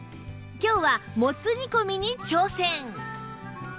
今日はもつ煮込みに挑戦！